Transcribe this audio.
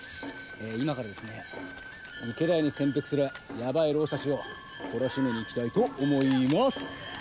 今からですね池田屋に潜伏するやばい浪士たちを懲らしめに行きたいと思います。